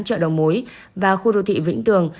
chợ đầu mối và khu đô thị vĩnh tường